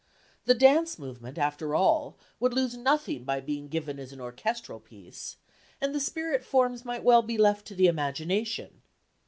The dance movement, after all, would lose nothing by being given as an orchestral piece, and the spirit forms might well be left to the imagination.